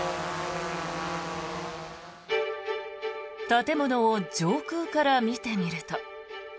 建物を上空から見てみると。